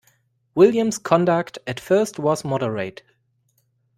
William’s conduct at first was moderate.